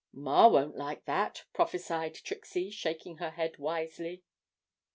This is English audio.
'Ma won't like that,' prophesied Trixie, shaking her head wisely.